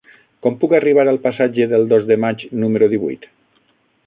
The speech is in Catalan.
Com puc arribar al passatge del Dos de Maig número divuit?